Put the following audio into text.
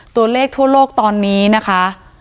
ตัวเลขทั่วโลกตอนนี้นะคะ